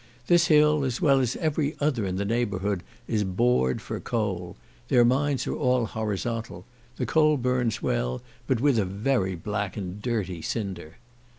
This hill, as well as every other in the neighbourhood, is bored for coal. Their mines are all horizontal. The coal burns well, but with a very black and dirty cinder.